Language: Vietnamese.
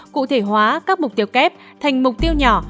cụ thể hóa các mục tiêu kép thành mục tiêu nhỏ